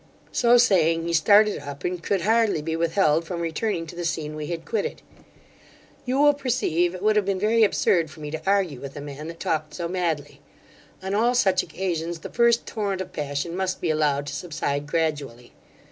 So saying, he started up, and could hardly be with held from returning to the scene we had quitted You will perceive it would have been very absurd for me to argue with a man that talked so madly. On all such occasions, the first torrent of passion must be allowed to subside gradually.